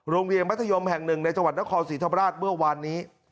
มัธยมแห่งหนึ่งในจังหวัดนครศรีธรรมราชเมื่อวานนี้